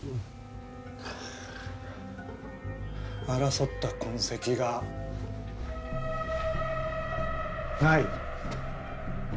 争った痕跡がない。